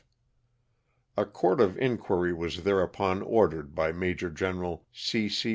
A court of inquiry was thereupon ordered by Major General C. C.